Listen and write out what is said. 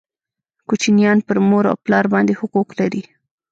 کوچنیان پر مور او پلار باندي حقوق لري